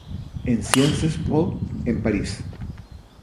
En "Sciences Po" en París.